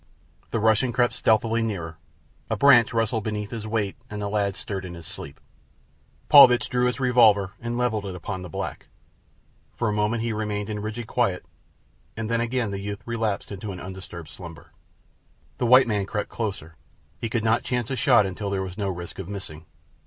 The Russian crept stealthily nearer. A branch rustled beneath his weight and the lad stirred in his sleep. Paulvitch drew his revolver and levelled it upon the black. For a moment he remained in rigid quiet, and then again the youth relapsed into undisturbed slumber. The white man crept closer. He could not chance a shot until there was no risk of missing.